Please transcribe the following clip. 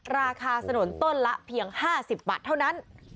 สนุนต้นละเพียง๕๐บาทเท่านั้น